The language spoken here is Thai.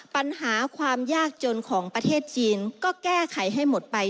ปัญหาความยากจนของประเทศจีนก็แก้ไขให้หมดไป